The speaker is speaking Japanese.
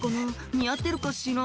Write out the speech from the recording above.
似合ってるかしら」